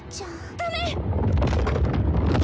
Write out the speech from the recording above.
ダメ！